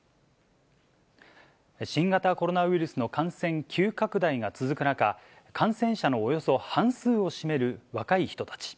新型コロナウイルスの感染急拡大が続く中、感染者のおよそ半数を占める若い人たち。